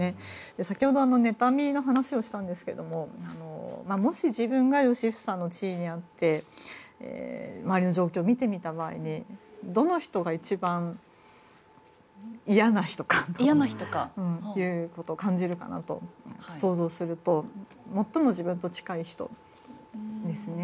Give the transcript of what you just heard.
先ほど妬みの話をしたんですけれどももし自分が良房の地位にあって周りの状況を見てみた場合にどの人が一番嫌な人かという事を感じるかなと想像すると最も自分と近い人ですね。